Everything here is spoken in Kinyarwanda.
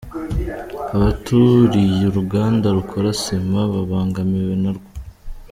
Abaturiye uruganda rukora sima babangamiwe narwo